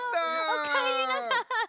おかえりなさい。